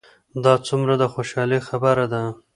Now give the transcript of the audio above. دا څومره د خوشحالۍ خبر ده؟